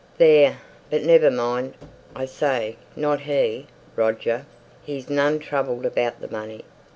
"There! But never mind! I say, not he, Roger! He's none troubled about the money.